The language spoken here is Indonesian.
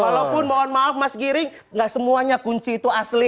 walaupun mohon maaf mas giring nggak semuanya kunci itu asli